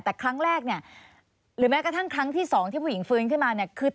แต่ครั้งแรกเนี่ยหรือแม้กระทั่งครั้งที่สองที่ผู้หญิงฟื้นขึ้นมาเนี่ยคือ